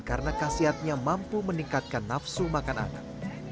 karena kasiatnya mampu meningkatkan nafsu makan anak